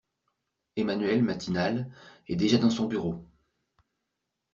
Emmanuelle, matinale, est déjà dans son bureau.